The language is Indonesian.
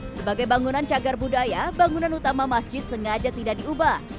sebagai bangunan cagar budaya bangunan utama masjid sengaja tidak diubah